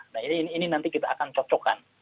nah ini nanti kita akan cocokkan